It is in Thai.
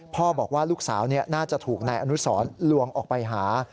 บอกว่าลูกสาวน่าจะถูกนายอนุสรลวงออกไปหา